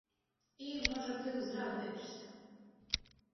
І, можа, ты ўзрадуешся.